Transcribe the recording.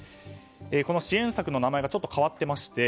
この支援策の名前がちょっと変わっていまして